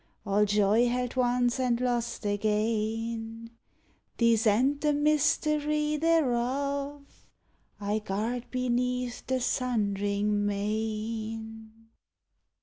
All joy held once and lost again, 'ihese, and the mystery thereof, I guard beneath the sundering main.